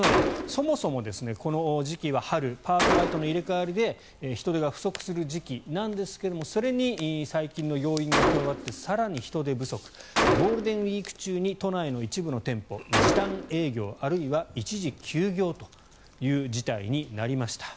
そもそもこの時期は春パート、アルバイトの入れ替わりで人手が不足する時期なんですがそれに最近の要因が加わって更に人手不足ゴールデンウィーク中に都内の一部の店舗、時短営業あるいは一時休業という事態になりました。